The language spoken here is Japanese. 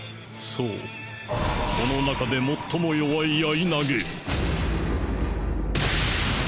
そうこの中で最も弱いヤイナゲ。